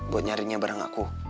buat nyarinya bareng aku